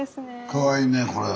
かわいいねこれ。